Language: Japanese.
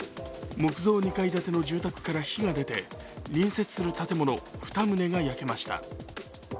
木造２階建ての住宅から火が出て、隣接する建物２棟が焼けました。